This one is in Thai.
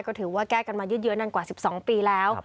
ก็ถือว่าแก้กันมายืดเยอะนานกว่า๑๒ปีแล้ว